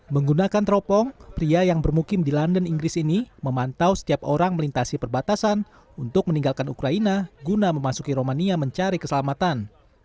menggunakan teropong pria yang bermukim di london inggris ini memantau setiap orang melintasi perbatasan untuk meninggalkan ukraina guna memasuki romania mencari keselamatan